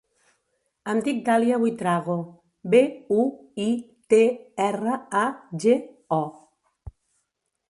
Em dic Dàlia Buitrago: be, u, i, te, erra, a, ge, o.